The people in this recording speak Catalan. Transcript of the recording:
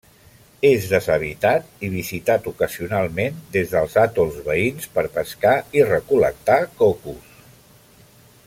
És deshabitat i visitat ocasionalment des dels atols veïns per pescar i recol·lectar cocos.